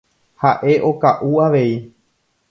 Ha'e oka'u avei.